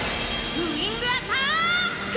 ウィングアターック！